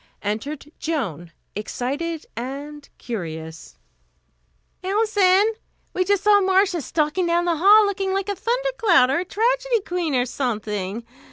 Entered Joan, excited and curious. "Alison! We just saw Marcia stalking down the hall, looking like a thundercloud, or a tragedy queen, or something!